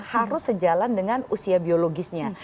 harus sejalan dengan usia biologisnya